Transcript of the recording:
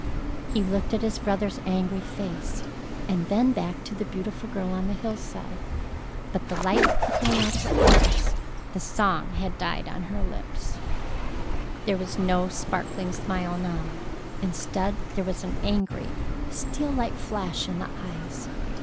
He looked at his brother's angry face, and then back to the beautiful girl on the hillside. But the light had gone out of her eyes. The song had died on her lips. There was no sparkling smile now. Instead, there was an angry, steel like flash in the eyes.